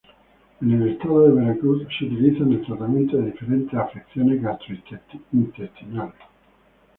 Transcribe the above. En el estado de Veracruz se utiliza en el tratamiento de diferentes afecciones gastrointestinales.